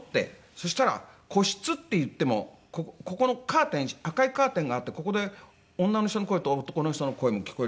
そしたら個室っていってもここのカーテン赤いカーテンがあってここで女の人の声と男の人の声も聞こえるし